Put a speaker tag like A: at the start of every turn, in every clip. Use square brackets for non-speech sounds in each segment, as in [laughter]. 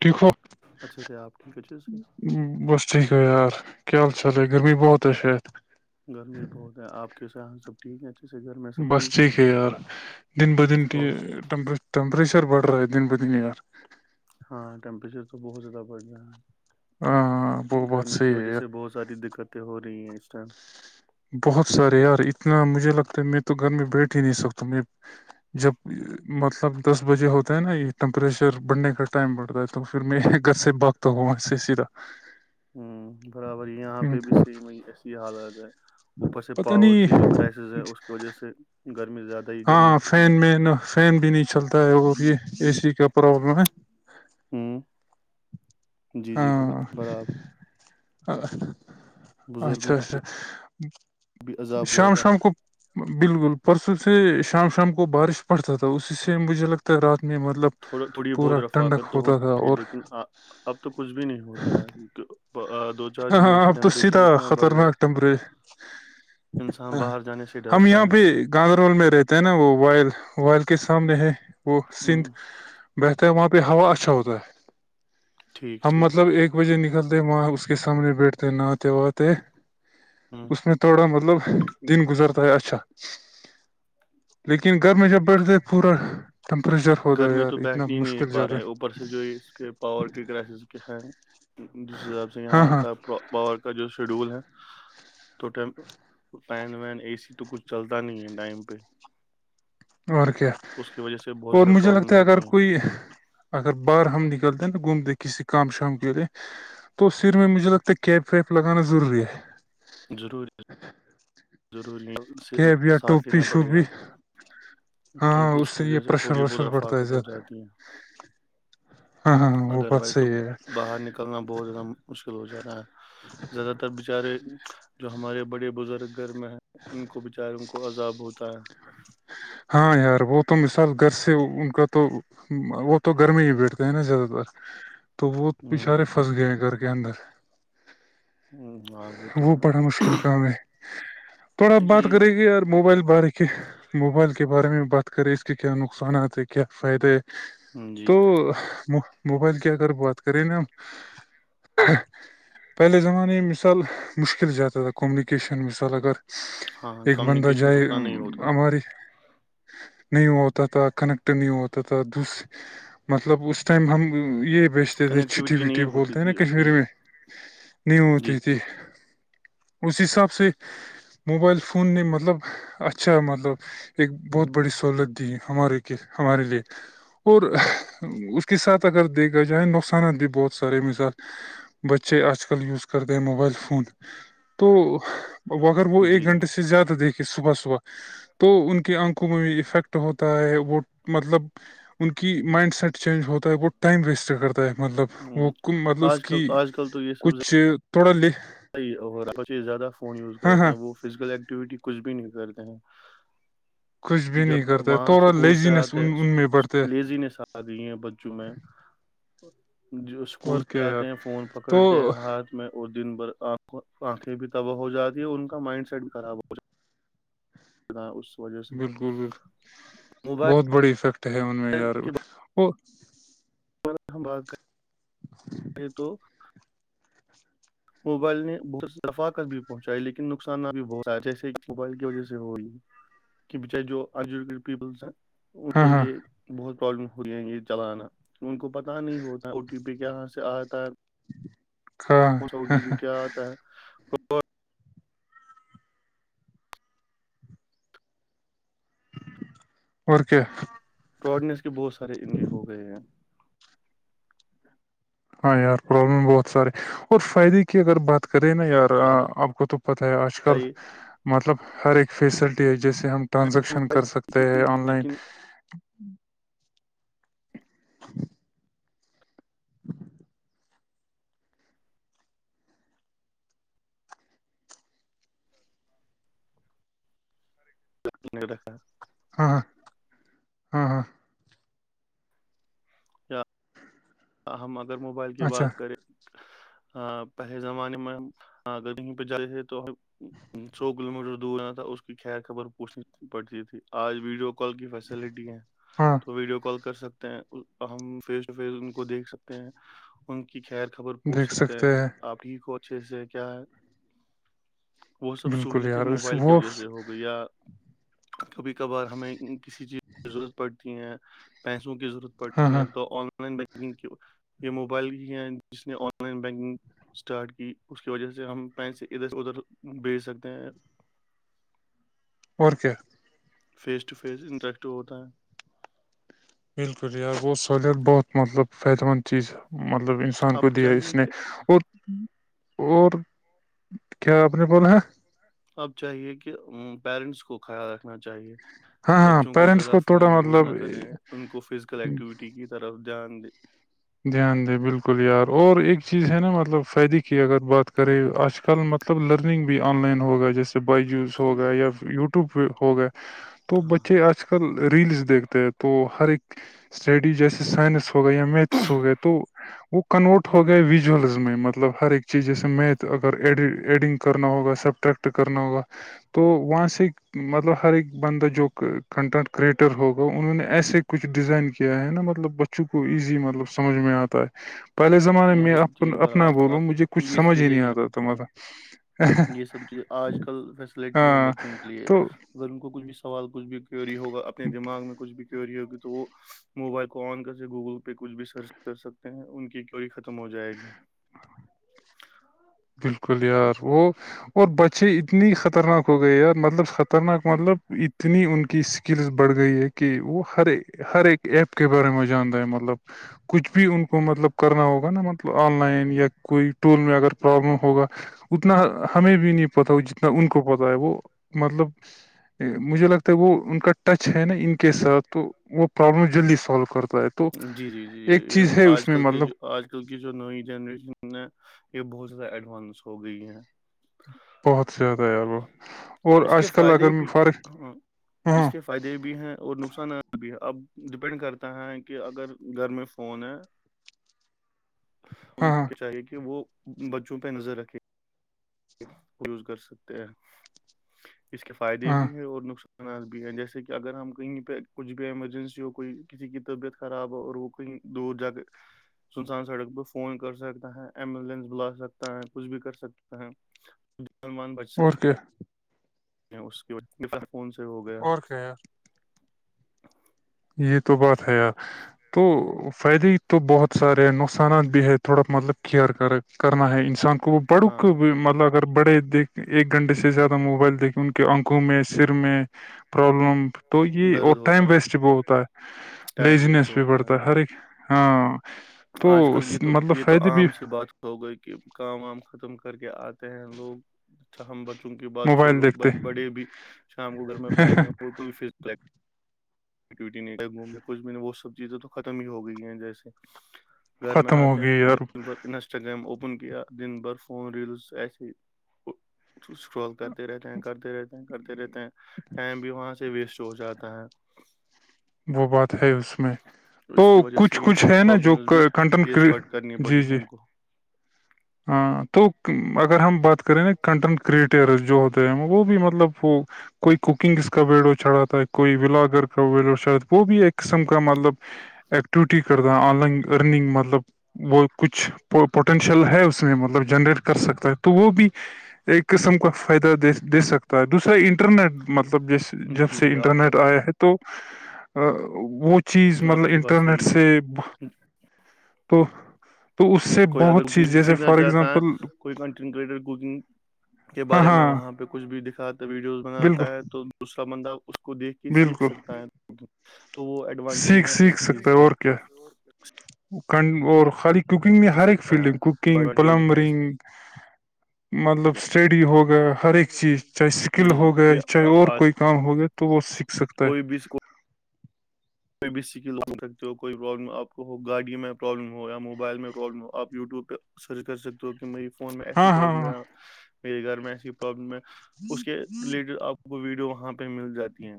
A: ٹھیک ہو
B: اچھے سے آپ ٹھیک اچھے سے
A: بس ٹھیک ہے یار کیا حال چل رہے ہے گرمی بہت اش
B: گرمی بہت ہے آپ کے سان سب ٹھیک ہے اچھے سے گھر میں
A: بس ٹھیک ہے یار دن بہ دن
B: اور
A: ٹیمپریچر بڑھ رہا ہے دن بہ دن یار
B: ہاں ٹیمپریچر تو بہت زیادہ بڑھ رہا
A: ہاں
B: ہے
A: وہ بہت
B: گرمی کی
A: صحیح ہے
B: وجہ
A: یار
B: سے بہت ساری دقتیں ہو رہی ہیں اس ٹائم
A: بہت سارے یار اتنا مجھے لگتا ہے میں تو گھر میں بیٹھ ہی نہیں سکتا میں جب مطلب دس بجے ہوتا ہے نا یہ ٹیمپریچر بڑھنے کا ٹائم بڑھتا ہے تو پھر میں ایک گھر سے بق تو میں سے سیدھا
B: ہوں برابر یہاں
A: ہوں،
B: پہ بھی سیم ہے ایسی حالت ہے اوپر سے
A: پتہ
B: پاور کی جو کرائسز ہے
A: نہیں
B: اس کی وجہ سے گرمی زیادہ ہی
A: ہاں
B: گرمی ہوتی
A: فین مین فین بھی نہیں چلتا ہے اور یہ اے سی کا پرابلم ہے
B: ہوں
A: ہاں
B: بزرگوں
A: اچھا
B: کو
A: اچھا
B: بھی عذاب
A: شام
B: جاتا
A: شام
B: ہے
A: کو بالکل پرسوں سے شام شام کو بارش پڑتا تھا اسی سے مجھے لگتا ہے رات میں مطلب
B: تھوڑا تھوڑی
A: پورا
B: بہت
A: ٹھنڈک
B: رفاقت تو ہو
A: ہوتا تھا
B: تھی
A: اور
B: لیکن آ اب تو کچھ بھی نہیں ہوتا ہے دو چار
A: ہاں
B: دنوں
A: ہاں
B: سے
A: اب تو
B: ٹیمپریچر
A: سیدھا
B: اتنا بڑھ گیا
A: خطرناک ٹمپر
B: انسان
A: ہ
B: باہر جانے سے
A: ہم
B: ڈرتا
A: یہاں
B: ہے
A: پہ گاندربل میں رہتے ہیں نا وہ وائل وائل کے سامنے ہے وہ
B: ہ
A: سندھ بہتر ہے وہاں پہ ہوا اچھا ہوتا ہے
B: ٹھیک
A: ہم
B: ٹھیک
A: مطلب ایک بجے نکلتے ہیں وہاں اس کے سامنے بیٹھتے نہاتے وہاتے ہے
B: ہ
A: اس میں تھوڑا مطلب دن گزرتا ہے اچھا لیکن گھر میں جب بیٹھتے پورا ٹمپریچر ہوتا ہے
B: گرمی تو
A: یار اتنا
B: بیٹھ نہیں نہیں
A: مشکل
B: پا
A: جاتا
B: رہے
A: ہے
B: اوپر سے جو ہے اس کے پاور کے کرائسز ہے جس حساب سے
A: ہاں
B: یہاں
A: ہاں
B: کا پاور کا جو شیڈول ہے تو ٹم فین وین اے سی تو کچھ چلتا نہیں ہے ٹائم پہ
A: اور کیا
B: اس کی وجہ سے بہت
A: اور
B: زیادہ
A: مجھے
B: پرابلم
A: لگتا ہے اگر
B: ہوتی ہیں
A: کوئی اگر باہر ہم نکلتے نا گھومتے کسی کام شام کے لیے تو سر میں مجھے لگتا ہے کیپ ویپ لگانا ضروری ہے
B: ضروری ضروری ہیں اسے
A: کیب یا
B: ساتھ
A: ٹوپی
B: لینا پڑے
A: شوپی
B: گا
A: ہاں ہاں
B: کیونکہ اس کی
A: یہ
B: وجہ سے
A: پریشر
B: تھوڑی بہت
A: وریشر
B: رفاقت ہو جاتی ہے
A: ہ
B: ادروائز تو باہر نکلنا بہت زیادہ مشکل ہو جاتا ہے زیادہ تر تر بچارے جو ہمارے بڑے بزرگ گھر میں ہیں ان کو بیچاروں کو عذاب ہوتا ہے
A: ہاں یار وہ تو مثال گھر سے ان کا تو وہ تو گرمی ہی بیٹھتا ہے نا زیادہ تر تو وہ
B: ہوں
A: بچارے پھنس گئے گھر کے اندر
B: ہوں، ہاں تو
A: وہ
B: ہے
A: بڑا مشکل کام ہے تھوڑا
B: اس
A: بات
B: لیے
A: کرے گی یار موبائل بارے کے موبائل کے بارے میں بات کریں اس کے کیا نقصانات ہے کیا فائدہ ہے
B: جی
A: تو موبائل کی اگر بات کریں نا ہم پہلے زمانے میں مثال مشکل زیادہ تھا کومونیکیشن مثال اگر
B: ہاں
A: ایک بندہ
B: کمیونیکیشن
A: جائے
B: اتنا نہیں ہوتا
A: اماری نہیں ہوا ہوتا تھا کنیکٹ نہیں ہوا ہوتا تھا دوس مطلب اس ٹائم ہم یہ بیچتے تھے چٹی
B: کنیکٹیویٹی
A: وٹی
B: نہیں ہوتی
A: بولتے ہیں نا
B: تھی اتنی
A: کشمیری میں نہیں
B: جی
A: ہوتی تھی
B: جی
A: اس حساب سے موبائل فون نے مطلب اچھا مطلب ایک بہت بڑی سہولت دی ہمارے کے ہمارے لیے اور اس کے ساتھ اگر دیکھا جائے نقصانات بھی بہت سار مزاات بچے آج کل وز کرتے ہیں موبائل فون تو اگر وہ ایک
B: جی جی
A: گھنٹے سے زیادہ دیکھے صبح صبح تو ان کے کے آنکھوں میں بھی افیکٹ ہوتا ہے وہ مطلب ان کی مائنڈ سیٹ چینج ہوتا ہے وہ ٹائم ویسٹ کرتا ہے مطلب وہ
B: ہوں
A: مطلب اس
B: آج کل
A: کی
B: آج کل تو یہ سب زیادہ
A: کچھ تھوڑا لے
B: بچے زیادہ فون یوز
A: ہاں
B: کرتے
A: ہاں
B: ہیں وہ فزیکل ایکٹیویٹی کچھ بھی نہیں کرتے ہیں
A: کچھ بھی
B: جب
A: نہیں کرتا ہے
B: وہاں
A: تھوڑا
B: اسکول سے
A: لیزینس
B: آتے
A: ان ان میں بڑھتا ہے
B: لیزنیس آ ہیں بچوں میںجو
A: اور
B: اسکول
A: کیا
B: سے
A: یار
B: اتے ہیں فون
A: تو
B: پکڑتے ہاتھ اس میں اور دن بھر آنکھیں بھی تباہ ہو جاتی ہیں اور ان کا مائنڈ سیٹ خراب ہو جاتی اس وجہ سے
A: بالکل بالکل بہت
B: موبائل
A: بڑی افیکٹ ہے ان میں یار
B: کے بارے ہم بات کریں یہ تو موبائل نے بہت فائدے بھی پہنچائی لیکن نقصانات بھی بہت جیسے موبائل کی وجہ سے ہوی کہ بچارے جو آ پیپلس ہیں ان
A: ہاں
B: کے
A: ہاں
B: لیے بہت پرابلم ہوتا ہے یہ چلانا ان کو پتا نہیں ہوتا او ٹی پی کہ یہاں سے آتا ہے
A: ہاں
B: اور ٹی پی کیا آتا ہے
A: اور کیا
B: فراڈنیس کے بہت سارے ان ہو گئے ہیں
A: ہاں یار پرابلم بہت سارے اور فائدے کی اگر بات کریں نا یار آپ کو تو پتا ہے آج کل
B: بتائیے
A: مطلب ہر ایک فیسلٹی ہے جیسے ہم ٹرانزیکشن کر سکتے ہیں
B: چیز
A: آن لائن
B: لیکن رکھا
A: ہاں ہاں ہاں ہاں
B: یا ہم اگر موبائل کی بات کریں
A: [inaudible]
B: پہلے زمانے میں ہمیں پہ جاتے تھے تو سو کلو میٹر دور رہ تھا اس کی خیر خبر پوچھنی پڑتی تھی آج ویڈیو کال کی فیسلٹی ہے
A: ہاں
B: تو ویڈیو کال کر سکتے ہیں ہم فیس ٹو فیس ان کو دیکھ سکتے ہیں ان کی خیر خبر پوچھ سکتے ہیں آپ ٹھیک ہو اچھے سے کیا ہے وہ سب
A: بالکل
B: سہولتیں
A: یار اس
B: موبائل کی
A: وہ
B: وجہ سے ہو گی یا کبھی کبھار ہمیں کسی چیز کی ضرورت پڑتی ہے پیسوں کی ضرورت
A: ہاں
B: پڑتے
A: ہاں
B: ہیں تو آن لائن بینکنگ یہ موبائل بھی ہیں جس نے آن لائن بینکنگ اسٹارٹ کی اس کی وجہ سے ہم پیسے ادھر ادھر بیچ سکتے ہیں
A: اور کیا
B: فیس ٹو فیس انٹریکٹ ہوتا ہے
A: بالکل یہ آ ب وہ سہوت بہت مطلب فائدے مند چیز مطلب انسان ہم کو
B: اب
A: دیا اس
B: چاہیے
A: نے
B: کہ
A: اور اور کیا آپ نے بولا ہے
B: اب چاہیے کہ پیرنٹس کو خیال رکھنا چاہیے
A: ہاں ہاں
B: بچوں کو
A: پیرنٹس
B: زیادہ
A: تھوڑا
B: فون یوز نہ
A: مطلب
B: کریں ان کو فزیکل ایکٹیویٹی کی طرف دھیان دیں
A: دھیان دیں بالکل یار اور ایک چیز ہے نا مطلب فائدے کی اگر بات کریں آج کل مطلب مطلب لرنگ بھی آن لائن ہوگا جیسے بائیجوز ہو گا یا یوٹیوب پہ ہو گا تو
B: ہاں
A: بچے آج کل ریلس دیکھتے ہیں تو ہر ایک اسٹڈی جیسے سائنس ہوگا یا می تھ ہو گئے تو وہ کنورٹ ہو گئے وسوارلز میں مطلب ہر ایک چیز جیسے میتھ اگر ایڈنگ کرنا ہوگا سبٹریکٹ کرنا ہوگا تو وہاں سے مطلب ہر ایک بندہ جو کنٹینٹ کریئٹر ہوگا انہوں نے ایسے کچھ ڈیزائن کیا ہے نا مطلب بچوں کو ایزی مطلب سمجھ میں آتا ہے پہلے زمانے میں
B: وہ سب
A: آپ کو
B: چیز پر
A: اپنا
B: اب
A: بولوں مجھے
B: اب
A: کچھ
B: یہ سب
A: سمجھ ہی
B: چیزیں
A: نہیں آتا تھا
B: ہوتی ہیں
A: مارا
B: یہ سب چیزیں آج کل فیسلٹی ہیں
A: ہاں
B: بچوں کے لیے
A: تو
B: اگر ان کو کچھ بھی سوال کچھ بھی کیوری ہوگا اپنے دماغ میں کچھ بھی کیوری ہوگی تو وہ موبائل کو آن کر کے گوگل پہ کچھ بھی سرچ کر سکتے ہیں ان کی کیوری ختم ہو جائے گی
A: [inaudible] بالکل یار وہ اور بچے اتنی خطرناک ہو گئے مطلب خطرناک مطلب اتنی ان کی کریز بڑھ گئی ہے کہ وہ ہر ہر ایک ایپ کے بارے میں جاننا ہے مطلب کچھ بھی ان کو مطلب کرنا ہوگا نا مت آن لائن یا کوئی ٹول میں اگر پرابلم ہوگا اتنا ہمیں بھی نہیں پتا وہ جتنا ان کو پتا ہے وہ مطلب مجھے لگتا ہے وہ ان کا ٹچ ہے نا ان کے ساتھ تو وہ پرابلم جلدی سولو کرتا ہے تو
B: جی جی
A: ایک
B: یہ
A: چیز ہے اس
B: آج
A: میں
B: کل کے
A: مطلب
B: جو آج کل کی جو نئی جنریشن ہے یہ بہت زیادہ ایڈوانس ہو گئی ہے
A: بہت زیادہ یار وہ اور
B: اس کے
A: آج کل اگر
B: فائدے بھی
A: فرق
B: ہاں
A: ہاں
B: اس کے فائدے بھی ہیں اور نقصانات بھی ہیں اب ڈپینڈ کرتا ہے کہ اگر گھر میں فون ہے ان
A: ہاں
B: کو چاہیے کہ وہ بچوں پہ نظر رکھے یوز کر سکتے ہیں اس کے فائدے
A: ہاں
B: بھی ہیں اور نقصان نات بھی ہیں جیسے کہ اگر ہم کہیں پہ کچھ بھی ایمرجینسی ہو کوئی کسی کی طبیعت خراب ہو اور وہ کہیں دور جا کے سنسان سڑک پہ فون کر سکتا ہے ایمبولینس بلا سکتا ہے کچھ بھی کر سک تا ہے ان بچتا
A: اور کیا
B: کیا اس کے فون سے ہو گیا
A: اور کیا یار یہ تو بات ہے یار تو فائدے ہی تو بہت سارے ہیں نقصانات بھی ہے تھوڑا مطلب کئر کر کرنا ہیں انسان وہ بڑ
B: ہاں
A: کو بھی مطلب اگر بڑے دیکھ ایک گھنٹے سے زیادہ موبائل دیکھیں ان کے آنکھوں میں سر میں پرابلم تو یہ اور
B: درد ہوتا
A: ٹائم
B: ہے
A: ویسٹ بہت پر
B: ٹائم ویسٹ
A: لیزنیس بھی
B: ہوتا
A: بڑھتا ہے
B: جی
A: ہر ایک ہاں تو
B: آج کل یہ
A: اس-
B: تو
A: مطلب
B: یہ تو
A: فائدے بھی
B: عام سی بات ہو گئی کے کام وام ختم کر کے آتے ہیں لوگ اچھا ہم بچوں کی بات
A: موبائل
B: چھوڑو
A: دیکھتے
B: بچ بڑے بھی شام کو گھر میں بیٹھنے وہ کوئی ف ڈیوٹی نہیں گئے موم نے کچھ بھی نہیں وہ سب چیزیں تو ختم ہی ہو گئی ہیں جیسے گھر میں
A: ختم ہو
B: آتے
A: گئی
B: ہیں
A: یار
B: دن بھر انسٹاگرام اوپن کیا دن بھر فون ریلز ایسے ہے اسکرول کرتے رہتے ہیں کرتے رہتے ہیں کرتے رہتے ہیں ٹائم بھی وہاں سے ویسٹ ہو جاتا ہے
A: وہ بات ہے اس میں تو
B: اس کی وجہ سے
A: کچھ
B: یہ
A: کچھ
B: سب
A: ہے نا جو
B: پرابلمس بھی
A: کنٹن
B: فیس پٹ کرنی
A: جی
B: پڑی
A: جی
B: ہم کو
A: ہاں تو اگر ہم بات کریں نا کنٹینٹ کریٹرز جو ہوتے ہیں وہ بھی مطلب وہ کوئی کوکنگس کا ویڈیو چلا اتا ہے کوئی بلاگر کا ویڈیو چلاتا وہ بھی ایک قسم کا مطلب ایکٹیوٹی کر رہا آن لائن ارننگ مطلب وہ کچھ پوٹینشیل ہے اس میں مطلب جنریٹ کر سکتا ہے تو وہ بھی ایک قسم کا فائدہ دے دے سکتا ہے دوسرا انٹرنیٹ مطلب جیسے جب
B: جی
A: سے
B: جی آپ
A: انٹرنیٹ آئے ہے تو وہ چیز
B: آپ
A: مطلب
B: کی بات
A: انٹرنیٹ
B: صحیح
A: سے
B: ہے
A: تو تو اس سے بہت سی جیسے فار
B: ا
A: ایگزامپل
B: کوئی کنٹ کرٹر کوکنگ کے
A: ہاں
B: بارے میں
A: ہاں
B: وہاں پہ کچھ بھی دکھاتا ویڈیوز بناتا
A: بالکل
B: ہے تو دوسرا بندہ کو دیکھ کے سیکھ
A: بالکل
B: سکتا ہے تو وہ ایڈوانٹیج
A: سیکھ
B: ہے اس
A: سیکھ سکتا
B: چیز
A: ہے
B: کا
A: اور کیا اور خالی کوکنگ میں
B: سیکھ
A: ہر ایک
B: سکتا
A: فیلڈ ہے کوکنگ
B: ایڈوانٹیج ہے اس
A: پلمبرنگ مطلب
B: چیز
A: اسٹڈی ہو گئے ہر
B: کا
A: ایک چیز چاہے اسکل
B: جی جی
A: ہو گئے
B: یہ
A: چاہے اور
B: آج
A: کوئی کام ہو گا تو وہ سیکھ سکتا ہے
B: کوئی بھی کوئی بھی سکل بن سکتے ہو کوئی پرابلم آپ کو گاڑی میں پرابلم ہو یا موبائل میں پرابلم ہو آپ یوٹیوب پہ سرچ کر سکتے ہو کہ میری فون میں ایسی
A: ہاں ہاں
B: پرابلم
A: ہاں
B: ہے میرے گھر میں ایسی پرابلم ہے اس کے ریلیٹڈ آپ کو ویڈیو وہاں پہ مل جاتی ہیں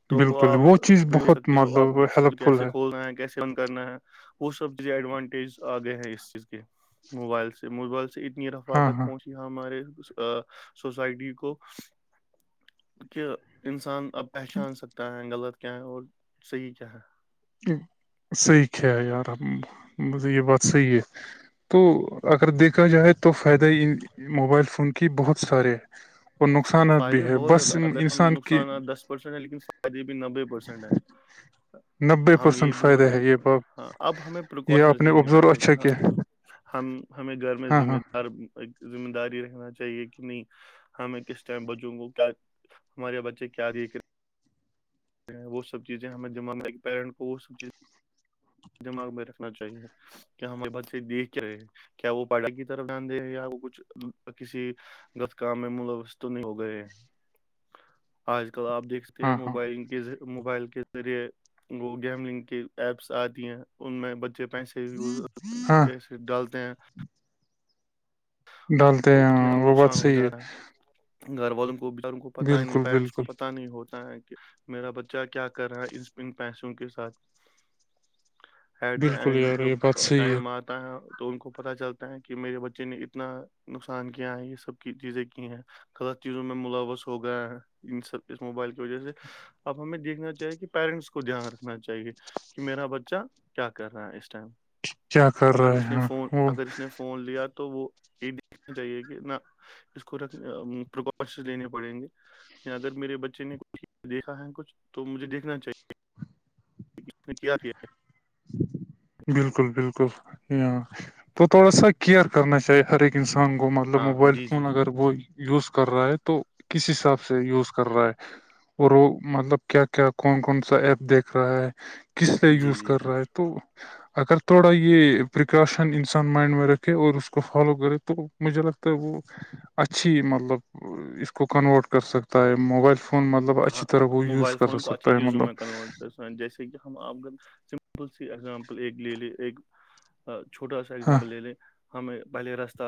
A: اچھا
B: تو آپ بھی دیکھ سکتے ہو آپ دھ سکتے ہو
A: ہیلپ فل
B: کیسے
A: ہے
B: کھول رہے ہیں کیسے کرنا ہے وہ سب چز ایڈوانٹیج آگئے ہیں اس چیز کے موبائل سے موبائل سے اتنی
A: ہاں
B: رفاقت
A: ہاں
B: پہنچ ہمارے سوسائٹی کو کہ انسان اب پہچان سکتا ہے غلط کیا ہے اور صحیح کیا ہے
A: صحی کیا ہے یار یہ بات صحیح ہے تو اگر دیکھا جائے تو فائدہ ہی ان موبائل فون کی بہت سارے ہے اور نقصانات
B: فائدے بھی
A: ہے
B: بہت زیادہ
A: بس
B: اگر ہم
A: انسان کی
B: نقصانات دس پرسینٹ ہیں لیکن فائدے بھی نبے پرسینٹ ہیں
A: نبے
B: ہم یہ
A: پرسینٹ
B: بھی
A: فائدہ
B: بتائیں
A: ہے یہ
B: گے
A: بات
B: ہاں اب ہمیں
A: یہ آپ
B: پریکاشنس
A: نے
B: لینی
A: ابزرو
B: پڑیں گی
A: اچھا
B: ہاں
A: کیا
B: ہم ہمیں گھر میں
A: ہاں
B: ذمہ
A: ہاں
B: دار ذمہ داری رہنا چاہیے کہ نہیں ہمیں کس ٹائم بچوں کو کیا کیا ہمارے بچے کیا د وہ سب چیزیں ہمیں جمانہ کے پییرنٹ کو وہ سب چیزیں دماغ میں رکھنا چاہیے کہ ہمیں بچیے دیکھ کے رہے کیا وہ پڑھائی کی طرف دیان دے یا وہ کچھ کسی غلط کام میں ملوث تو نہیں ہو گئے آج کل آپ دیکھ
A: ہاں ہاں
B: موبائل موبائل کے ذریعے وہ گیملنگ کے ایپس آتی ہیں ان میں بچے پیسے
A: ہاں
B: پھر ڈالتے ہیں
A: ڈالتے
B: تو
A: ہیں
B: اتنے
A: ہاں وہ بات
B: نقصان ہو
A: صحیح ہے
B: جاتا گھر والوں کو بیچاروں کو پتا ہی نہیں
A: بالکل
B: پیرنٹس کو
A: بالکل
B: پتاہ نہیں ہوتا ہے کہ میرا بچہ کیا کر رہا ہے انسپنگ پیسوں کے ساتھ ایٹ دا
A: بالکل
B: اینڈ
A: یار یہ بات
B: جب
A: صحیح ہے
B: ٹائم آتا ہے تو ان کو پتہ چلتا ہے کہ میرے بچے نے اتنا نقصان کیا ہے یہ سب کی چیزیں کی ہیں غلط چیزوں میں ملاوث ہوگیا ہے ان سب اس موبائل کی وجہ سے اب ہمیں دیکھنا چاہیے کہ پیرنٹس کو دھیان رکھنا چاہیے کہ میرا بچہ کیا کر رہا ہے اس ٹائم
A: کیا کر
B: اگر
A: رہے
B: اس
A: ہیں
B: نے
A: ہاں
B: فون
A: وہ
B: اگر اس نے فون فون لیا تو وہ چاہیے کہ نہ اس کو ر پریکاشن لنے پڑیں گے اگر میرے بچے نے کچھ دیکھا ہے کچھ تو مجھے دیکھنا چاہیے اس نے کیا کیا ہے
A: بالکل بالکل ہاں تو تھوڑا سا کیئر کرنا چاہیے ہر ایک انسان گوو مطلب
B: ہاں
A: موبائل
B: جی جی
A: فون اگر وہ یوز کر رہا ہے تو کس حساب سے یوز کر رہا ہے اور وہ مطلب کیا کیا کون کون سا ایپ دیکھ رہا ہے کس سے
B: جی
A: یوز
B: جی
A: کر تو اگر تھوڑا یہ پریکاشن انسان مائنڈ میں رکھے اور اس کو فالو کرے تو مجھے لگتا ہے وہ اچھی مطلب اس کو کنورٹ کر سکتا ہے موبائل فون فون مطلب
B: ہاں
A: اچھی طرح وہ یوز
B: موبائل
A: کر
B: فون کو
A: سکتا
B: اچھی
A: ہے
B: چیزوں میں کنورٹ
A: مطلب
B: جیسے کہ ہم آپ سمپل سی ایگزامپل ایک لے لے ایک چھوٹا سا اگزامپل لے لیں ہمیں پہلے راستتاہ